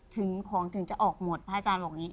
ถึงของถึงจะออกหมดพระอาจารย์บอกอย่างนี้